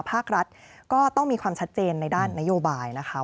ภาครัฐก็ต้องมีความชัดเจนในด้านนโยบายนะคะ